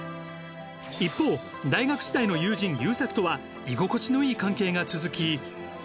一方大学時代の友人勇作とは居心地のいい関係が続き。